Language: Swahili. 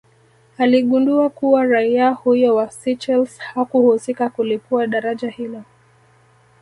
Aligundua kuwa raia huyo wa Seychelles hakuhusika kulipua daraja hilo